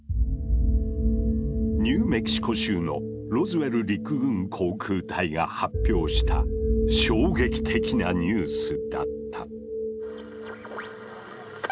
ニューメキシコ州のロズウェル陸軍航空隊が発表した衝撃的なニュースだった。